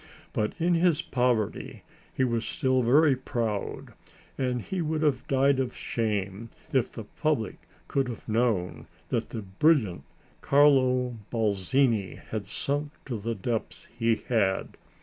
But in his poverty he was still very proud and he would have died of shame if the public could have known that the brilliant Carlo Balzini had sunk to the depths he had.